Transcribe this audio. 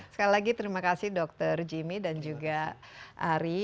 sekali lagi terima kasih dokter jimmy dan juga ari